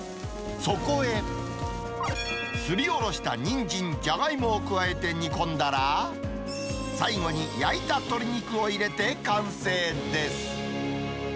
そこへ、すりおろしたニンジン、じゃがいもを加えて煮込んだら、最後に焼いた鶏肉を入れて完成です。